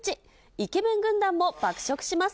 イケメン軍団も爆食します。